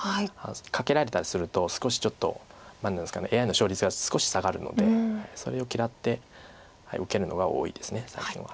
カケられたりすると少しちょっとＡＩの勝率が少し下がるのでそれを嫌って受けるのが多いです最近は。